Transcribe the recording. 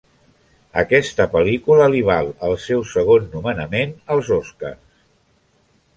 Aquesta pel·lícula li val el seu segon nomenament als Oscars.